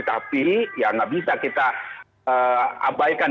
tapi ya nggak bisa kita abaikan